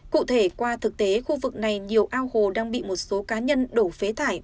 cụ thể qua thực tế khu vực này nhiều ao hồ đang bị một số cá nhân đổ phế thải